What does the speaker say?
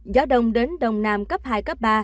gió đông đến đồng nam cấp hai cấp ba